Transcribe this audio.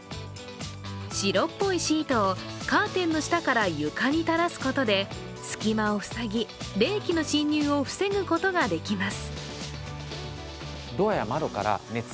白っぽいシートをカーテンの下から床に垂らすことで隙間を塞ぎ、冷気の侵入を防ぐことができます。